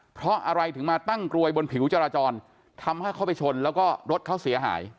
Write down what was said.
เพราะอะไรถึงมาตั้งกรวยบนผิวจราจรทำให้เขาไปชนแล้วก็รถเขาเสียหาย